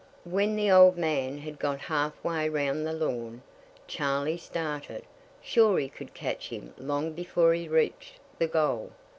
When the old man had got half way round the lawn, Charley started, sure he could catch him long before he reached the goal.